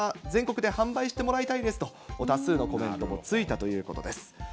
全国で販売してもらいたいですと、多数のコメントもついたということです。